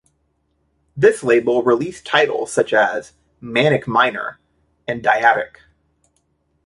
This label released titles such as "Manic Miner" and "Dyadic".